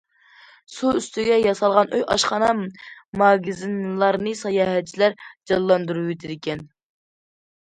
سۇ ئۈستىگە ياسالغان ئۆي، ئاشخانا، ماگىزىنلارنى ساياھەتچىلەر جانلاندۇرۇۋېتىدىكەن.